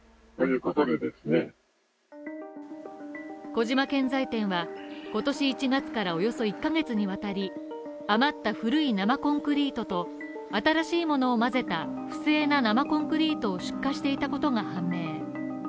小島建材店は今年１月からおよそ１ヶ月にわたり、余った古い生コンクリートと新しいものを混ぜた不正な生コンクリートを出荷していたことが判明